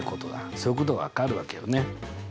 そういうことが分かるわけよね。